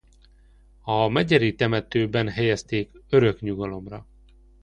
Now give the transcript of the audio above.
A Megyeri temetőben helyezték örök nyugalomra.